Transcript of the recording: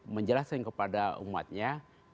menjelaskan kepada umatnya